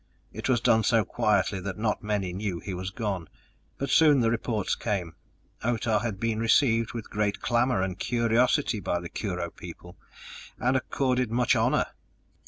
It was done so quietly that not many knew he was gone, but soon the reports came: Otah had been received with great clamor and curiosity by the Kurho people, and accorded much honor!